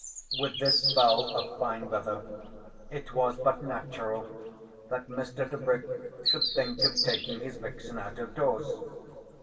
With this spell of fine weather it was but natural that Mr. Tebrick should think of taking his vixen out of doors.